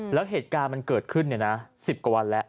แล้วเหตุการณ์มันเกิดขึ้น๑๐กว่าวันแล้ว